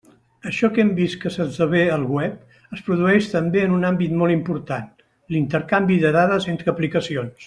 Això que hem vist que s'esdevé al web es produeix també en un àmbit molt important: l'intercanvi de dades entre aplicacions.